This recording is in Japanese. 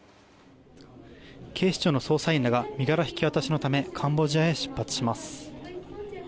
警視庁の捜査員らが身柄引き渡しのためカンボジアへ出発します。